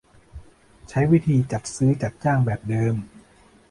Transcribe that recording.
ใช้วิธีจัดซื้อจัดจ้างแบบเดิม